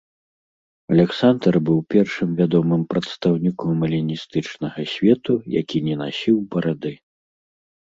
Аляксандр быў першым вядомым прадстаўніком эліністычнага свету, які не насіў барады.